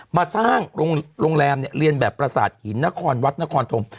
มาสร้างโรงแรมเนี่ยเรียนแบบประสาทหินนครวัดนครธม